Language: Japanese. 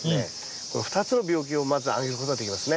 この２つの病気をまず挙げることができますね。